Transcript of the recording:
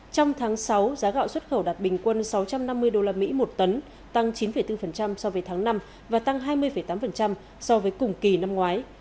trong tháng sáu giá gạo xuất khẩu đạt bình quân sáu trăm năm mươi usd một tấn tăng chín bốn so với tháng năm và tăng hai mươi tám so với cùng kỳ năm ngoái